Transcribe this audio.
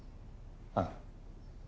ああ。